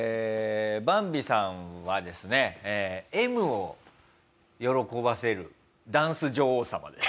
バンビさんはですねＭを喜ばせるダンス女王様です。